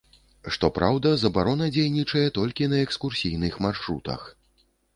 Што праўда, забарона дзейнічае толькі на экскурсійных маршрутах.